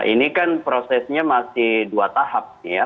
ini kan prosesnya masih dua tahap